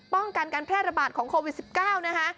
ป้องกันการแพร่ระบาดของโควิด๑๙นะคะ